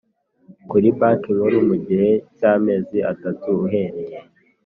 kuri Banki Nkuru mu gihe cy amezi atatu uhereye